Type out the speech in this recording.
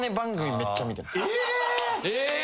え！